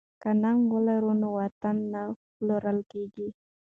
که ننګ ولرو نو وطن نه پلورل کیږي.